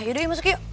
yaudah masuk yuk